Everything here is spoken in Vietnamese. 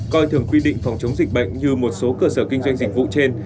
coi thường quy định phòng chống dịch bệnh như một số cơ sở kinh doanh dịch vụ trên